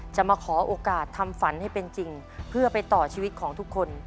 จะมาขอโอกาสทำฝันให้เป็นจริงเพื่อไปต่อชีวิตของทุกคน